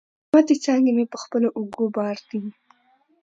ماتي څانګي مي په خپلو اوږو بار دي